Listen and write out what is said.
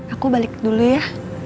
aku balik dulu ya